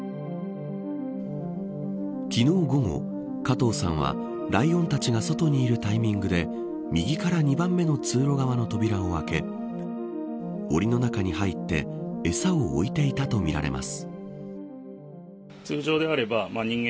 昨日午後、加藤さんはライオンたちが外にいるタイミングで右から２番目の通路側の扉を開けおりの中に入って餌を置いていたとみられます。